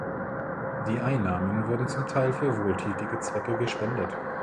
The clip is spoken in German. Die Einnahmen wurden zum Teil für wohltätige Zwecke gespendet.